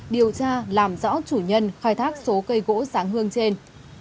điều tra làm rõ chủ nhân khai thác số cây gỗ sáng hương trên